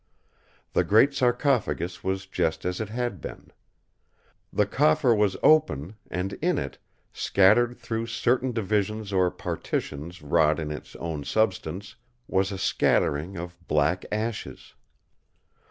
The great sarcophagus was just as it had been. The coffer was open, and in it, scattered through certain divisions or partitions wrought in its own substance, was a scattering of black ashes.